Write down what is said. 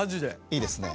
いいですね。